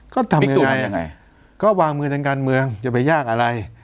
ก็ทำยังไงก็วางมือทางการเมืองจะไปยากอะไร